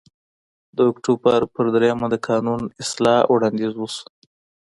د اکتوبر په درېیمه د قانون اصلاح وړاندیز وشو